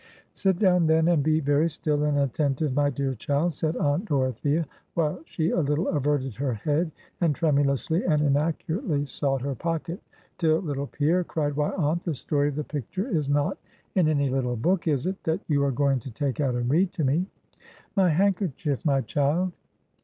"Sit down, then, and be very still and attentive, my dear child," said aunt Dorothea; while she a little averted her head, and tremulously and inaccurately sought her pocket, till little Pierre cried "Why, aunt, the story of the picture is not in any little book, is it, that you are going to take out and read to me?" "My handkerchief, my child."